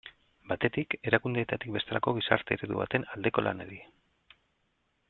Batetik, erakundeetatik bestelako gizarte eredu baten aldeko lanari.